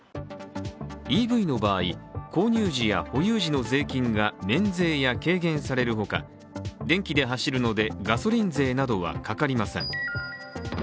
ＥＶの場合、購入時や保有時の税金が免税や軽減されるほか電気で走るのでガソリン税などはかかりません